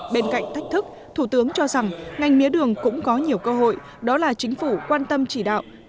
bên cạnh thách thức thủ tướng cho rằng ngành mía đường cũng có nhiều cơ hội đó là chính phủ quan tâm chỉ đạo